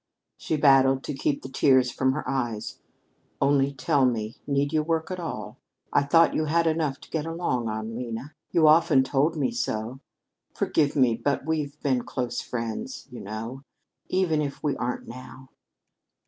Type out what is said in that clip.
She battled to keep the tears from her eyes. "Only tell me, need you work at all? I thought you had enough to get along on, Lena. You often told me so forgive me, but we've been close friends, you know, even if we aren't now."